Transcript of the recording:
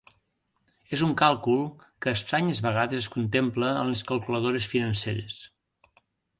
És un càlcul que estranyes vegades es contempla en les calculadores financeres.